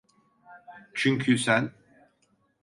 Çünkü sen…